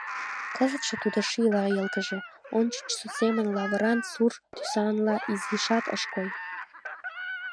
Кызытше тудо шийла йылгыже, ончычсо семын лавыран-сур тӱсанла изишат ыш кой.